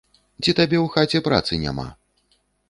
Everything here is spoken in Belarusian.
Ці табе ў хаце працы няма?